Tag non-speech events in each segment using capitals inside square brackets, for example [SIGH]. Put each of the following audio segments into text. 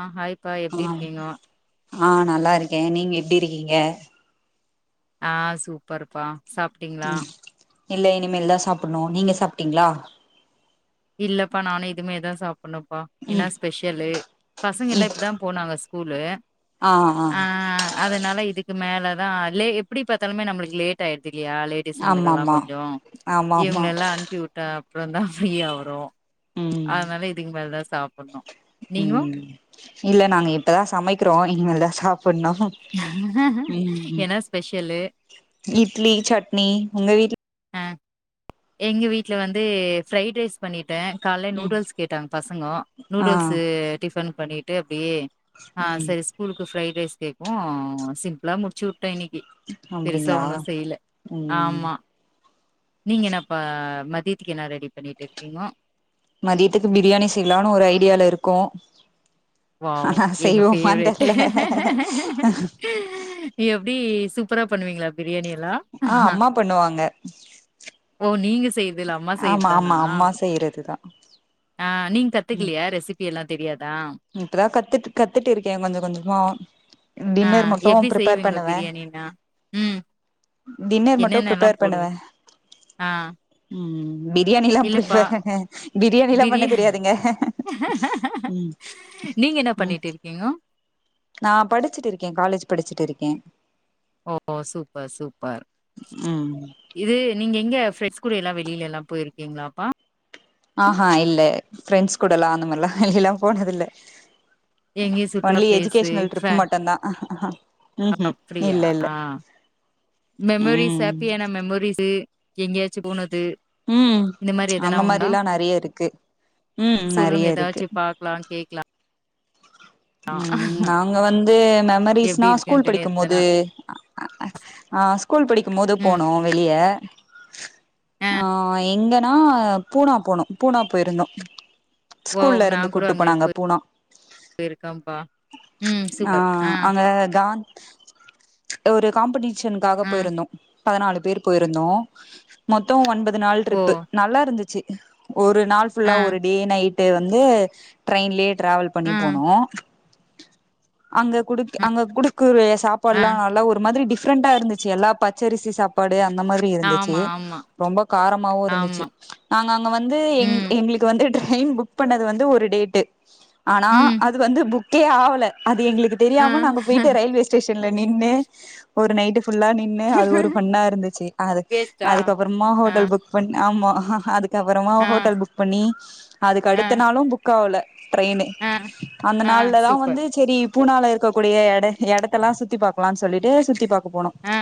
ஆ hi ப்பா எப்பிடி ஆ இருக்கீங்கோ ஆ நல்லா இருக்கே நீங்க எப்பிடி இருக்கீங்க ஆ சூப்பர்ப்பா சாப்டீங்ளா? ம் இல்ல இனிமேல் தா சாப்புன்னு நீங்க சாப்டீங்ளா? இல்லப்பா நானு இதுமேதா சாப் புன்னுப்பா என்னா ம் ஸ்பெஷலு பசங்கல்லா இப் இப்பதா போனாங்க ஸ் கூலு ஆ அதுனால இதுக்கு மேல தா லே எப்பிடி பாத்தாலுமே நம்மளுக்கு லேட் ஆயிடு தில்லயா ஆமா லேடிஸுங்களுகல்லா ஆமா கொஞ்சோ ஆமா ஆமா இவுங்ளெல்லா அனுப்பி வுட்டா அப்றொந்தா ஃப்ரீயாவ ரோ ம் அதுனால இதுக்கு மேல் தா சாப்புன்னு ம் இல்ல நாங்க இப்பதா சமைக்கிறோ இனிமேல் தா சாப் புன்னு ம் என்ன ஸ்பெஷலு இட்லி சட்னி உங்க வீட்ல அ எங்க வீட்ல வந்து ஃப்ரைட் ரைஸ் பண்ணி ட்டே கால்லயெ ம் நூடுல்ஸ் கேட்டாங் பசங்கோ ஆ நூடுல்ஸு டிஃபன் பண்ணிட்டு அ ப்டியே ஆ ம் செரி ஸ்கூலுக்கு ஃப்ரை ரேஸ் கேக்வு சிம்ப்ளா முடுச்சு உ ட்டே இன்னக்கி பெருசா அப்டிங்களா ஒன்னு செய்ல ம் ஆமா நீங்க என்னப்பா அ மதியத்துக்கு என்னா ரெடி பண்ணிட்டு இருக்கீங்கோ மதியத்துக்கு பிரியாணி செய்லானு ஒரு ஐடியால இருக்கோ வாவ் ஆனா எங்க செய்வோமான் பேவரெட் தெர்ல எப்டி சூப்பரா பண்ணுவீங்ளா பிரியாணிய ஆ அம்மா பண்ணுவாங்க ஓ நீங்க செய்றது இல்ல அம்மா செய்றது ஆமா தானா ஆமா அம்மா செய்றதுதா ஆ நீங் கத்துக்கலயா ரெசிபி எல்லா தெரியாது இப்பதா கத்துட்டு கத்துட்டு இருக்கே கொஞ்ச கொஞ்சமா ஆ டின்னர் மட்டு எப்டி பிரிப்பேர் செய்வீங்க பண்ணுவே பிரியாணினா ம் டின்னர் மட்டு என்னென்னல்லா பிரிப்பேர் போடுவ பண்ணுவே ஆ ம் பிரியாணிலா பிர இல்லப்பா பிரியாணிலா பண்ண பிரியா தெரியாதுங்க ம் நீங்க என்ன ம் பண்ணிட்டு இருக்கீங்கோ? நா படுச்சுட்டு இருக்கே காலேஜ் படுச்சுட்டு இருக்கே ஓ சூப்பர் சூப்பர் ம் இது நீங்க எங்க ஃபிரட்ஸ் கூட எல்லா வெளிலெல்லா போயிருக்கீங்ளாப்பா? ஆஹா இல்ல ஃபிரெண்ட்ஸ் கூடல்லா அந்தமார்லா வெளியெல்லா போனதில்ல எங்கயு சுற்றுலா ஒன்லி பிளேஸு எஜுகேஷ்னல் ஃப ட்ரிப்பு மட்டுந்தா அஹா அப்டியா மெமரிஸ் ம் ஹாப்பியான மெமரிஸு எங்யாச்சு போனது ம் இந்த மாரி எதனா அந்த உண்டா மாரில்லா நறைய இருக்கு ம் சொல்லுங்க நறைய இருக்கு ஏதாச்சு பாக்கலா கேக்கலா ம் நாங்க வந்து எப்டி மெமரிஸ்னா ஸ்கூல் இருக்குன்ட்டுன்னு எதனா படிக்கும்மோது ஆ ஸ்கூல் படிக்கும்மோது ம் போனோ வெளிய ஆ எங்கனா பூனா போனோ பூனா போயிருந்தோ வாவ் நா ஸ்கூல்லருந்து கூட்டு போனாங்க பூனா கம்பா ம் சூப்பர் ஆ ஆன் ஒரு காம்பட்டி ஷன்காக ஆ போயிருந்தோ பதினாலு பேர் போயிருந்தோ மொத்தொ ஒன்ப து நாள் ஓ ட்ரிப்பு நல்லாருந்துச்சு [INAUDIBLE] ஒரு நாள் ஃபுல்லா ஆ ஒரு டே நை ட்டு வந்து ட்ரயின்லே ட்ராவல் பண்ணி ஆ போனோ அங்க குடுத் அ அங்க குடு [UNINTELLIGIBLE] ஆ சாப்பால்லா நல்லா ஒரு மாதிரி டி ஃப்ரெண்டா இருந்துச்சு எல்லா பச்சரிசி சாப்பா டு அந்த மாதிரி இருந்துச்சு ஆமா ஆமா ரொம்ப காரமாவு இருந்துச்சு ஆமா நாங்க அங்க வந்து எங் ம் எங்ளுக்கு வந்து ட்ரெயின் புக் பண்ணது வந்து ஒரு டேட்டு ஆனா ம் அ து புக்கே ஆவல அது எங்ளுக் கு ஆ தெரியாம நாங்க போயிட்டு ரயில்வே ஸ்டேஷ ன்ல நின்னு ஒரு நைட்டு ஃபுல்லா நின்னு அது ஒரு ஃபன்னா இருந்துச்சு அது வேஸ்ட்டா அதுக்கப்பறமா ஆ ஹோட்டல் புக் பண் ஆமா ஆஹா அது க்கபறமா ஆ ஹோட்டல் புக் பண்ணி அதுக்கு ஆ அடுத்த நாளு புக் ஆவுல ட்ரெய்னு ஆ அந்த ஆ நாள்லதா சூப்பர் வந்து ச்செரி இப் பூனால இருக்கக்கூடிய எடத்தல்லா சுத்தி பாக்கலான் சொல்லிட்டு சுத்தி பாக் அது போனோ ஆ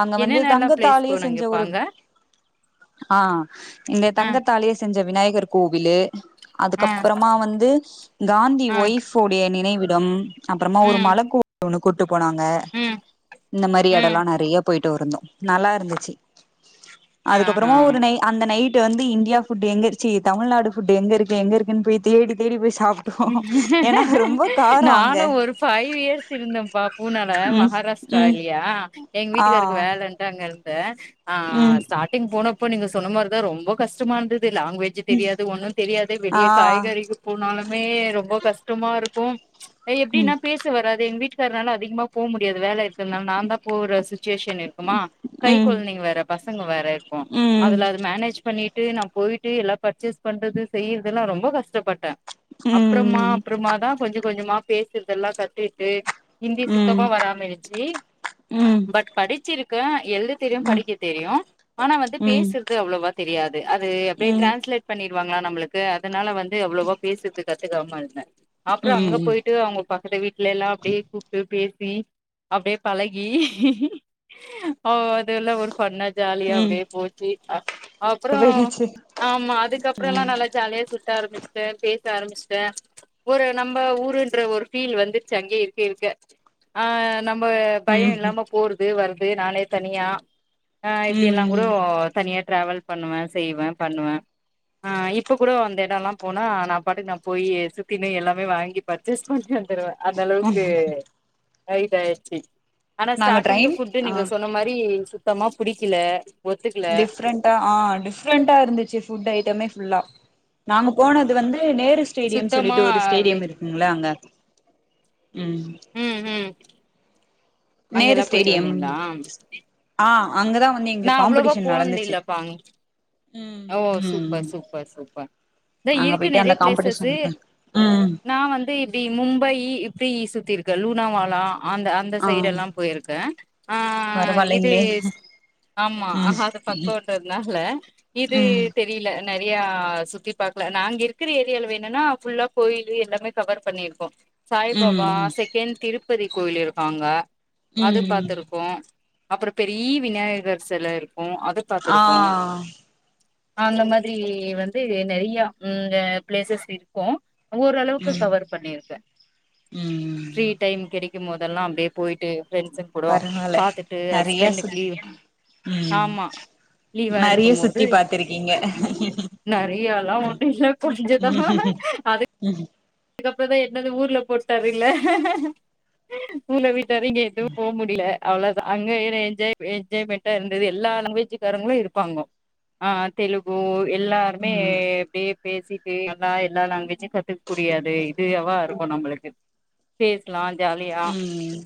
அங்க வந்து என்னென்னல்லா பிளேஸ் தங்கத்தாலயே செஞ்ச போனீங்கப்பா ஒரு அங்க ஆ இந்த ஆ தங்கத்தாலயே செஞ்ச விநாயகரு கோவிலு ஆ அதுக்கப்பறமா வந்து காந்தி ஆ ஒய்ப் ஏ நினைவிடம் அப்பறமா ஒரு ம் மல கோவில் ஒன்னு கூட்டு போனாங்க ம் இந்த மாரி ம் எடோல்லா நறைய போயிட்டு வருந்தோ நல்லா இருந்துச்சு அதுக்கப்பறமா ஆஹா ஒரு நை அந்த நைட் டு வந்து இந்தியா ஃபுட்டு எங்க இரு ச்சி தமிழ்நாடு ஃபுட்டு எங்க இருக்கு எங்க இருக்குன் போய் தேடி தேடி போய் சாப்டு சாப்புட்டு போனோ நானு ஒரு ஃபைவ் இயர்ஸ் இருந்தம்ப்பா பூனால ம் ம் மகாராஷ்ராலியா எங்க ஆ வீட்டுக்காருக்கு வேலன்ட்டு அங்க இருந் தெ ஆ ம் ஸ்டாடிங் போனப் இப்ப நீங்க சொன்ன மாரிதா ரொம்ப கஷ்டமா இருந்த து லாங்குவேஜ்ஜே தெரியாது ஒன்னு தெரியாது ஆ வெளிய காய்கறிக்கு போ நாளு மே ரொம்போ கஷ்டமா இருக்கும் எப்டினா ம் பேச வராது எங்க வீட்டு க்கர்னால அதிகமா போமுடியாது வேல இருக் இருக்கர் நாள நாந்தா போற சுச்சுவேஷனு இருக்குமா கை ம் கொழந்தைங்க வேற பசங்க வேற இருக்கு ம் அதுல அது மேனேஜ் பண்ணிட் ட்டு நா போயிட்டு எல்லா பர்ச்சேஸ் பண்றது செய்யறது எல்லா ரொம்போ கஷ்டப்பட்ட ம் அப்பறமா ம் அப்பறமாதா கொஞ்ச கொஞ்சமா பேசுறதெல்லா கத்துட்டு ஹிந்தி ம் சுத்தமா வராம இருஞ்ச்சு ம் பட் படிச்சிருக் க எழுத தெரியு படிக்க தெரியு ஆனா வந்து ம் பேசுறது அவ்ளவா தெரியாத் து அது அப்டியே ம் டிரேன்ஸ்லேட் பண்ணி ருவாங்களா நம்மளுக்கு அதனால வந் து அவ்ளோவா பேசுற்து கத்துக்காம இருந்தே அப்றோ அங்க ம் போயிட்டு அவுங்க பக்கத்து வீட்ல லா அப்டியே கூப்ட்டு பேசி அப்டியே பழகி ஒ அதெல்லா ஒரு ஃபண்ணாச் ஜாலியா ம் அப்டியே போச்சி ஆ அப்றோ போயிடுச்சு ஆமா அதுக்கப்றோ எல்லா நல்லா ஜாலியா சுத் ஆரம்பிச்சுட்டே பேச [INAUDIBLE] ஆரம்ச்ட்டே ஒரு நம்ம ஊருன்ற ஒரு பீல் வந்ருச்சு அங்கேயே இருக்க இருக்க ஆ நம்ம பய ம் இல்லாம போறது அப்டி வருது நானே தனியா ஆ ம் இப்டி எல்லா கூட ம் தனியா ட்ராவல் பண்ணுவே செய்வே பண்ணுவே இப்போ கூட அந்த இடம்லா போனா நா நா போயி சுத்தின்னு எல்லாமே வாங்கி பர்ச்சேஸ் பண்ணி வந்ருவே அத அளவுக்கு ஆய தா எச்சரி [UNINTELLIGIBLE] ஆனா நாங்க ஸ்டாடிங்கு ட்ரெயின் புட்டு் ஆ நீங்க சொன்ன மாரி சு சுத்தமா புடிக்கல ஒத்துக்கல டிஃப்ரெண்டா ஆ டிஃப்ரெண்டா இருந்துச்சு ஃபுட் ஐட்டமே ஃபுல்லா நாங்க போனது வந்து நேரு ஸ்டேடியம் சுத்தமா சொல்லிட்டு ஒரு வே ஸ்டேடியம் இருக்குங்ள அங்க உம் ம் ம் நேரு அங்கெல்லா போயிட்டு ஸ்டேடியம் வந்தீங்களா ஆ அங்கதா வந்து நா எங்களுக்கு அவ்ளோவா காம்படிஷன் போனது நடந்துச்சு இல்லப்பா ம் ஓ ம் சூப்பர் சூப்பர் சூப்பர் இதா அங்க இருக்கு போயிட்டு நெறய அந்த பிளேசஸ் காம்படிஷன்க்கு நா வந்து இப்டி மும்பை சுத்தீ இருக்க லூனா வானா அந்த அந்த ஆ சைடலா எல்லா போயிருக்கே ஆ இது பரவாயில்லைங்களே ஆமா ம் அது பக்கொன்றதுனால இது ம் தெரியல நிறய சுத்தி பாக்ல நாங்க இருக்ற ஏரியில வேணுனா ஃபுல்லா கோயிலு எல்லாமே கவர் பண்ணியிருக்கோ சாய் பாபா ம் செகண்ட் திரு திருப்பதி கோவில் இருக்கு அங்க அது ம் பாத்துருக்கோ அப்ற பெரிய விநாயகர் செல இருக்கு கு அது ஆ பாத்துருக்கோ அந்த மாதிரி வந்து நெறையா ம் அ ஃப்ளேசஸ் இருக்கு ஓரளவுக்கு ம் கவர் பண்ணிருக்கே ஃப்ரீ ம் டைம் கெடை க்கும்மோதெல்லா அப்டியே போயிட்டு ஃப்ரெண்ட்ஸுங் கூடோ பரவால்ல பாத்துட்டு நறைய ஹஸ்பண்டுக்கு சுத் லீவ் ம் ஆமா நறைய சுத்தி பாத்துருக் நறயால்லா ஒன்னு இல்ல கொஞ்சதா ம் அது ம் அதுக்கப்ற தா என்னது ஊர்ல போட்டாரில்ல ஊர்ல வீட்டாரு இங்க எதுவு போ முடில அவ்ளதா அங்க என‌ என்ஜாய் என்ஜாய்மெண்ட்டா இருந்தது எல்லா லாங்வேஜுக்காரங்களு இருப்பாங்கொ ஆ தெலுகு எல்லாருமே அப்டே பேசிட்டு நல்லா எல்லா லாங்வேஜு கத்து புரியாது இது அவா இருக்கு நம்மளுக்கு பேசலா ஜாலியா ம்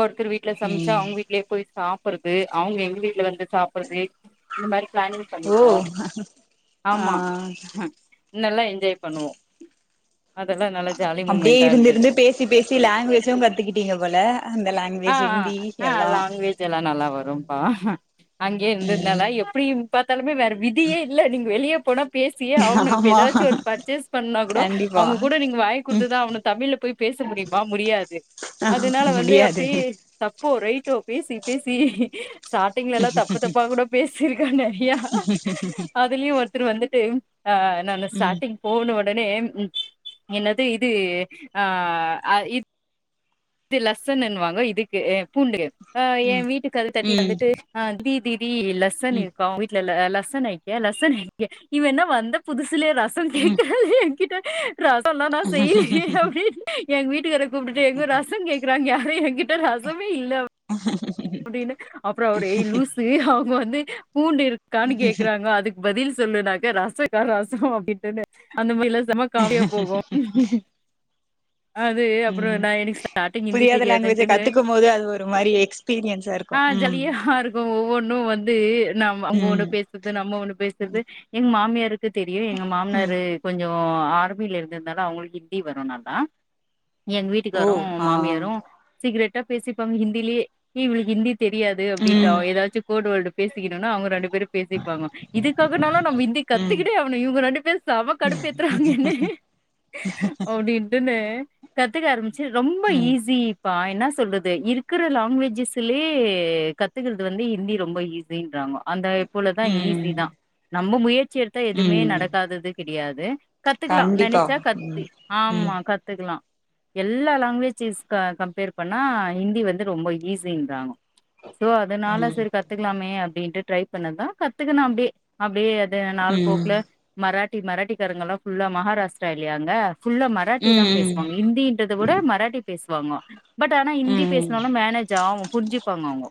ஒருத்தர் வீட்ல சம்ச்சா ம் அவுங்க வீட்லயே போய் சாப்பறது அவுங்க எங்க வீட்ல வந்து சாப்புறது இந்த மாரி பிளானிங் ஓ பண்ணிப்போ ஆமா ஆ நல்லா என்ஜாய் பண்ணுவோ அதெல்லா நல்லா ஜாலி அப்டியே மூமெண்டா இருந்து இருந்தது இருந்து பேசி பேசி லாங்வேஜு கத்துக்கிட்டீங்க போல அந்த ஆ லாங்குவேஜ் அ ஹிந்தி ஆ எல்லா லாங்வேஜ் எல்லா நல்லா வரும்பா அங்யே ம் இருந்தத்னால எப்டியும் பாத்தாலு வேற விதியே இல்ல நீங்க வெளிய போனா பேசியே ஆவுனு இப்ப ஆமா எதாச்சு ஒன் பர்சேஸ் பண்ணா குடொ கண்டிப்பா அவுங்க கூட நீங்க வாய ம் குடுத்துதா ஆவுனு தமிழ்ல போய் பேச முடியுமா முடியாது அதுனால வந்து முடியாது பே தப்போ ரை டோ பேசி பேசி ஸ்டார்ட்டிங்லல்லா தப்பு தப்பா கூட பேசிருக்க நறியா அதுலயு ஒருத்தர் வந்துட்டு ஆ நானு ம் ஸ்டார்டிங் போன ஒ டனே என்னது இது ஆ அ இ து லஸ்ஸன்னுன் வாங்க இதுக்கு அ பூண்டுகு ஆ ஏ ம் வீட்டு கதவு தட்டி ம் வந்துட்டு அ தீ தி லஸ்ஸன் ம் இருக்கா வீட்ல ல லஸ்ஸன் ஏக்ய லஸ்ஸன் ஹேக்ய இவ என்ன வந்த புது சுலே ரச ம் கேக்குறாளே எங்கிட்ட ரசல்லா நா செய்லியே அப்டின் எங்க வீட்டுக்கார கூப்டுட்டு ஏங்க ரச கேக்குறாங்க அத எங்கிட் ட ரசமே இல்ல அப்படின்னு அப்புறம் அவர் ஏய் லூசு இங்கவந்து பூண்டு இருக்கான்னு கேக்குறாங்க அதுக்கு பதில் சொல்லுனாக்க ராசகாரராசம் அப்படின்னு அந்த மாதிரிலாம் ரொம்ப காமடியா போகும் உம் ஹிந்தி புரியாத லாங்குவேஜை கத்துக்கும் போதுஅது ஒரு மாரி எக்ஸ்பீன் ஆஹ் ஜளியா இருக்கும் ஒவ்வொன்னு இன்னும் வந்து ந அவங்க ஒண்ணு ம் பேசுறது நம்ம ஒண்ணு பேசுறது எங்க மாமியார் தெரியும் எங்க ம் மாமனரு கொஞ்சம் ஒ ஆர்பியில இருந்த இருந்தாலும் அவங்களுக்கு ஹிந்தி வரும் நல்லா எங்க ஓ வீட்டுக்காரும் ஆ மாமியாரும் சிகிரெட் பேசிப்பாங்க ஹிந்திலயே ஏ இவளுக்கு இந்தி தெரியாது அப்படட்டா ம் ஏதாச்சும் கோர்வேல்டு பேசிக்கணும்னா அவங்க ரெண்டு பேரு பேசிப்பாங்க இதுக்காகனாலும் நம்ம இந்திய ம் கத்துக்கிட்டே ஆனும் இவங்க ரெண்டு பேரு சம கடுப்பு ஏத்துறாங்கனு அப்டின்ட்டுன்னு கத்துகார் ம் ரொம்ப ம் ஈஸி ப்ப என்ன சொல்லுறது இருக்கிற லாங்குவேஜ் லே கத்துக்கிறது வந்து ஹிந்தி ரொம்ப ஈசின்றாங்க அந்த இப்போலதான் ஈஸி ம் தான் நம்ம முயற்சி எடுத்தா எதுவுமே ம் நடக்காதது கி முடியாது கத்துக்கலா கண்டிப்பா நெனச்சா கத்தி ம் ம் ஆமா கத்துக்கலாம் எல்லா லாங்குவேஜிஸ் கம்பேர் பண்ணா ஹிந்தி வந்து ரொம்ப ஈஸி அப்டின்றாங்க சோ அதனால சரி கத்துக்கலாமே அப் அப்படின்ட்டு ட்ரை பண்ணதா கத்துக்கணு அப்டியே அப்டியே நாள் ம் போக்குல மராட் மராட்டி காரங்களா புல்லா மகாராஷ்டிரா இல்லையாங்க புல்லா மராட்டி ம் தான் ம் பேசுவாங்க இந்திந்தறவிட மராட்டி பேஸ்சு அப்பாஅம்மா பட் ஆனா ஹிந்தி ம் பேசினாலு மேனேஜ் அவங்க புரிஜிப்பாங்கங்க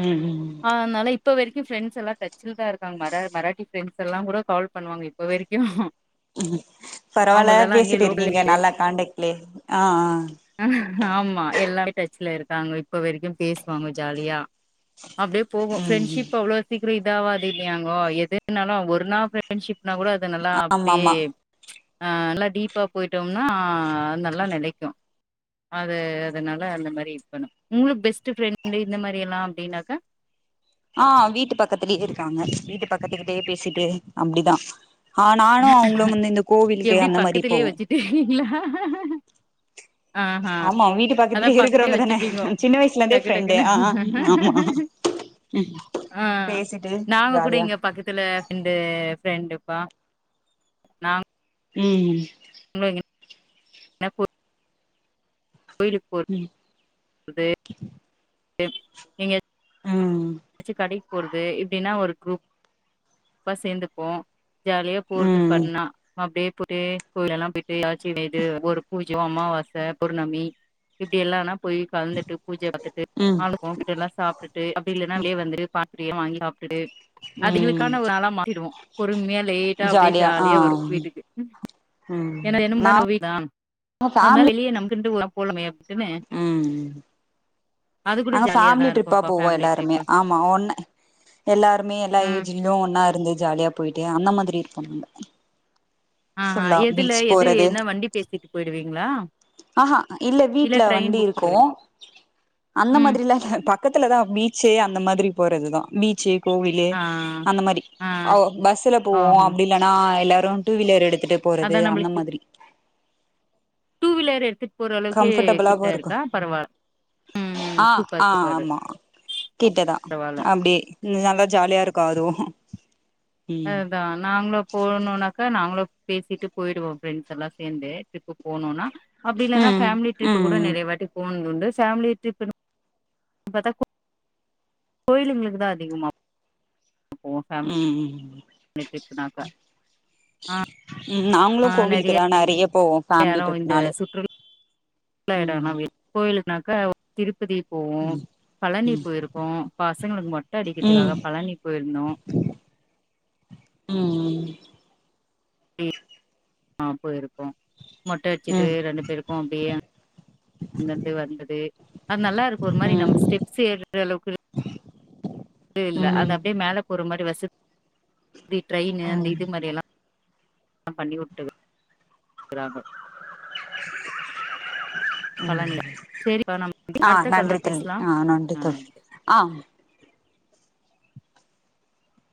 ம் ம் அதனால இப்ப வரைக்கு ஃப்ரெண்ட்ஸ் எல்லா டச்சுல்தா இருக்காங்க மரா மராட்டி ஃரெண்ட்ஸ் எல்லாங் கூட கால் பண்ணுவாங்க இப்போ வரைக்கு ம் பரவால்ல அவங்கதெல்லா அங்கேயே பேசிட்டு லோக்கல்ல இருக்கீங்க நல்லா காண்டெக்ட் லே ஆ ஆ ஆ ஆ ஆமா எல்லார்மே டச்சுல இருக்காங்க இப்ப வரைக்கும் பேசுவாங்க ஜாலியா அப்டியே போகு ம் ஃரெண்ட்ஷிப் அவ்ளோ சீக் குறே இதாவாது இல்லையாங்கோ எதுனாலு ஒரு நாள் ஃப்ரெண்ட்ஷிப்புக்கு எதனா கூட அது நல்லா ஆமா அப்டியே ஆமா ஆ நல்லா டீப்பா போயிட்டோம்னா ஆ நல்லா நெலைக்கு அது அதனால அந்த மாரி இது பண்ணு உங்களுக்கு பெஸ்ட்டு ஃப்ரெண்டு இந்த மாரி எல்லா அப்டின்னாக்கா ஆ வீட்டு பக்கத்துலேயே இருக்காங்க வீட்டு பக்கத்துக்கிட்டயே பேசிட்டு அப்டிதா ஆ நானு அவங்களும் வந்து இந்த கோவிலுக்கு எப்டி அந்த மாரி பக்கத்துலயே போவோ வச்சுட்டுருக்கீங்களா ஆஹா ஆமா வீட்டு அத பக்கத்துலயே இருக்கிறவங்க தானே வெச்சுப்பீங்கோ சின்ன வயசுல இருந்தே டக்கு ஃப்ரெண்டு டக்குன்னு ஆ ஆமா ம் ஆ பேசிட்டு நாங்க கூட ஜாலியா இங்க பக்கத்துல ஃப்ரெண்டு ஃப்ரெண்டு பா நாங் ம்ம்ம் உங்களுக்கு என் [INAUDIBLE] கோயிலுக் போர் ம் அது து நீங்க ம் ச்சு கடைக் போற்து இப்டின்னா ஒரு குரூப்பா சேந்துப்போ ஜாலியா போறது ம் ஃபன்னா அப்டியே போயிட்டு கோயில் எல்லாம் போயிட்டு எதாச்சி வேண்டு ஒவ்வொரு பூஜியோ அமாவாச பவுர்ணமி இப்டி எல்லான்னா போயி கலந்துட்டு பூஜ பாத்துட்டு ம் சாமி கும்புட்டு எல்லா சாப்டுட்டு இல்லன்னா வெளிய வந்து பா னி பூரி எல்லா வாங்கி சாப்டுட்டு ம் அதுங்களுக்கான ஒர் நாளாம் மாத்திடுவோ பொறுமையா லேட்டா அப்டியே ஜாலியா வரு வீட்டுக்கு ம் எனக்கு [UNINTELLIGIBLE] நம்ம நாங்க வீடுதா ஃபேமிலி அதனால வெளிய நமக்குன்டு ஒர் பொலமையப் ம் அது கூட நாங்க ஜாலியா தா ஃபேமிலி ட்ரிப்பா இருக்கும்ப்பா போவோ ஃபேமிலி எல்லார் ட்டம்மிய ட்ரிப்பு ஆமா ஒன்ன எல்லாருமே எல்லா ம் ஏஜ்லியு ஒன்னா இருந்து ஜாலியா போயிட்டு எ அந்த மாதிரி இருப்போ நம்ப ஆ ஆ ஃபுல்லா எதுல பீச் எது போறது என்ன வண்டி பேசிட்டு போயிடுவீங்களா ஆ அ இல்ல வீட்டுல ட்ரெயின் வண்டி புக் இருக்கு பண்ணுவீங் அந்த ம் மாதிரி லா பக்கத்துலதா பீச்சு அந்த மாதிரி போறதுதா பீச்சே கோவிலு ஆ அந்த மாரி ஆ பஸ்ல போவோ ஆஹா அப்பிடி இல்லனா இல்ல ப்ரோ டூவிலரூ எடுத்துட்டு போறது அதா அந்த மாதிரி டூவீலர் எடுத்துட் கம்ஃபரபுளாவு இருக்கு ம் ம் ஆ சூப்பர் ஆ சூப்பரு ஆமா கிட்டதா பரவால்ல அப்பிடி நல்லா ஜாலியா இருக்கு அதுவு ம் அதா நாங்களு போணுனாக்கா நாங்களு பேசிட்டு போயிடுவோ ஃப்ரெண்ட்ஸ்ல்லா சேர்ந்து ட்ரிப் போனோனா அப்பிடி இல்லன்னா ம் ஃபமிலி ட்ரிப் கூட ம் நெறைய வாட்டி போண து ஃபேமிலி டரிப் ப்த்தா [UNINTELLIGIBLE] கோயிலுங்களுக்கு தா அதிகமா ம் [UNINTELLIGIBLE] ம் நாங்களு கோவிலுக்குதா நெறைய போவோ ஃபேமிலி ட்ரிப்னாலே வள ம் இடனாவே கோயிலுக்னா க்க திருப் திருப்பதி போவோ பழனி போயிருக்கோ பாசங்களுக்கு மொட்ட ம் அடிக்கறதுக்காக பழனி போயிருந்தோ ம் ம் ஆ போருக்கு மொட்ட அடிச்சிட்டு ம் ரெண்டு பேருக்கு அப்பிடியே அங்கேந்து வந்தது அது நல்லா இருக்கு ஒரு மாரி நம்ம ம் ஸ்டெப்ஸ் ஏறுற அளவுக்கு இ இல்ல ம் அந்த அப்பிடியே மேல போற மாரி வச இ ட்ரெயின்னு அந்த இது மாரில்லா ஆ பண்ணிவுட்டுக்கிறாங்க பழனில சேரிப்பா நம் ஆ அடுத்த கால்ல நன்றி தோழி பேசலாம் ஆ நன்றி ம் தோழி ஆ